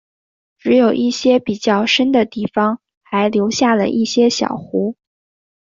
只有一些比较深的地方还留下了一些小湖。